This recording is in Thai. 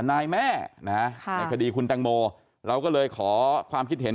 นายแม่นะฮะในคดีคุณแตงโมเราก็เลยขอความคิดเห็น